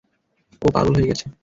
ও পাগল হয়ে গেছে।